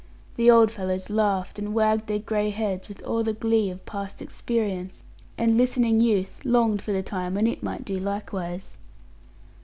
The old fellows laughed, and wagged their grey heads with all the glee of past experience, and listening youth longed for the time when it might do likewise.